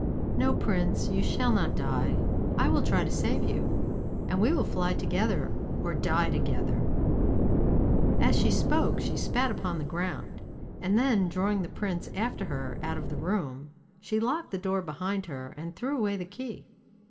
'No, Prince, you shall not die. I will try to save you. And we will fly together or die together.' As she spoke she spat upon the ground, and then drawing the prince after her out of the room, she locked the door behind her and threw away the key.